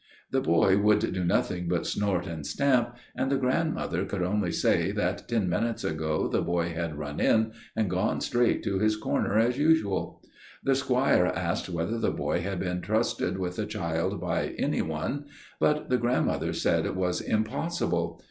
The boy would do nothing but snort and stamp: and the grandmother could only say that ten minutes ago the boy had run in and gone straight to his corner as usual. The squire asked whether the boy had been trusted with a child by any one; but the grandmother said it was impossible.